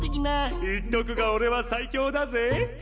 ・言っとくが俺は最強だぜ！ぜよ。